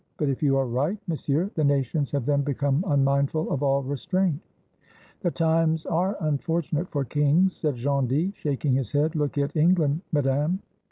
"But if you are right, Monsieur, the nations have then become unmindful of all restraint." "The times are unfortunate for kings." said Gondy, shaking his head; "look at England, Madame."